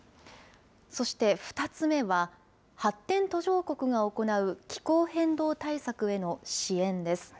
そして２つ目は、発展途上国が行う気候変動対策への支援です。